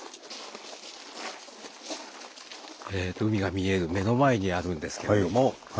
えと海が見える目の前にあるんですけれども分かりません。